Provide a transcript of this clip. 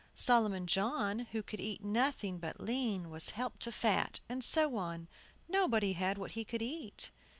Solomon John, who could eat nothing but lean, was helped to fat, and so on. Nobody had what he could eat.